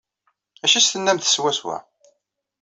D acu ay as-tennamt swaswa?